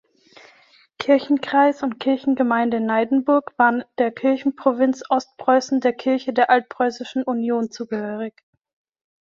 Kirchenkreis und Kirchengemeinde Neidenburg waren der Kirchenprovinz Ostpreußen der Kirche der Altpreußischen Union zugehörig.